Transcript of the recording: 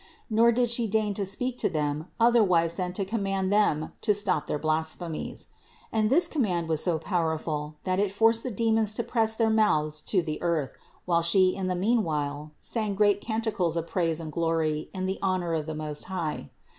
Nor did She deign to speak to them otherwise than to command them to stop their blasphemies. And this com mand was so powerful that it forced the demons to press their mouths to the earth, while She in the meanwhile sang great canticles of praise and glory in honor of the Most High.